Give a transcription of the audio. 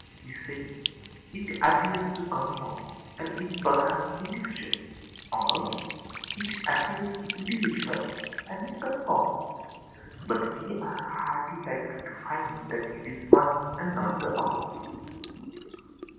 We say: it appears to conform, and is perhaps individual, or it appears individual, and may conform; but we are hardly likely to find that it is one and not the other.